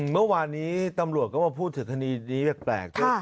เมื่อวานนี้ตำรวจก็มาพูดถึงคดีนี้แปลกด้วย